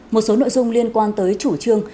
một số nội dung liên quan tới chủ trương